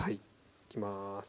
いきます。